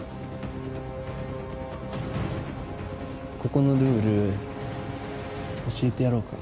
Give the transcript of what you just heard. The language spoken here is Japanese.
ここのルール教えてやろうか？